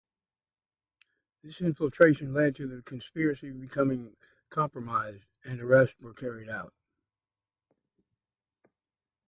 This infiltration led to the conspiracy becoming compromised and arrests were carried out.